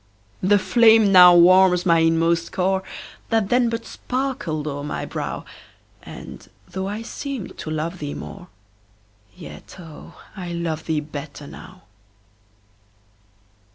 The flame now warms my inmost core, That then but sparkled o'er my brow, And, though I seemed to love thee more, Yet, oh, I love thee better now.